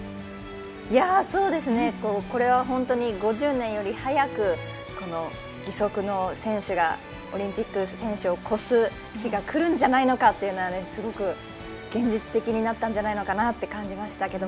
これは本当に５０年より早く義足の選手がオリンピック選手を超す日がくるんじゃないのかというのをすごく現実的になったんじゃないかなと感じましたけど。